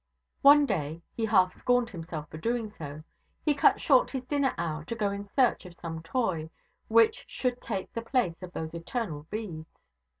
One day he half scorned himself for doing so he cut short his dinner hour to go in search of some toy, which should take the place of those eternal beads.